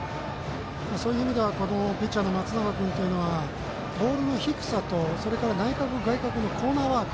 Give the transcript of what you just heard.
そういう意味ではピッチャーの松永君はボールの低さと内角、外角のコーナーワーク。